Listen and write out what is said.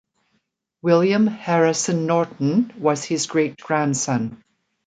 William Harrison Norton was his great-grandson.